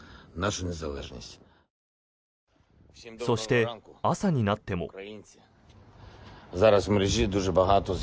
そして朝になっても。